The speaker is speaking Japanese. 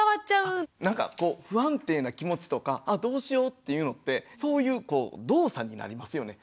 なんかこう不安定な気持ちとかあどうしようっていうのってそういうこう動作になりますよね。